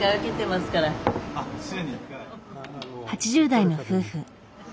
８０代の夫婦。